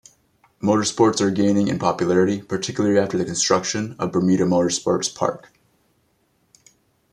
Motorsports are gaining in popularity, particularly after the construction of Bermuda Motorsports Park.